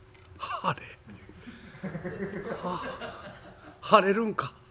ああ晴れるんか。